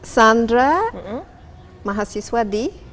sandra mahasiswa di